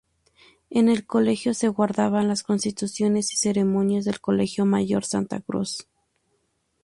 En el Colegio se guardaban las constituciones y ceremonias del Colegio Mayor Santa Cruz.